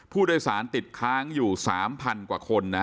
ผู้โดยสารติดค้างอยู่๓๐๐กว่าคน